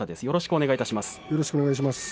よろしくお願いします。